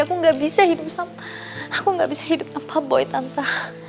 aku gak bisa hidup tanpa boy tante